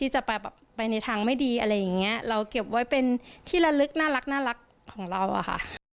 จะเก็บไว้เป็นที่ละลึกน่ารักของเราอ่ะค่ะ